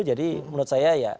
jadi menurut saya ya